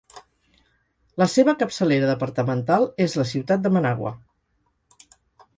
La seva capçalera departamental és la ciutat de Managua.